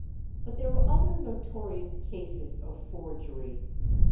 But there were other notorious cases of forgery.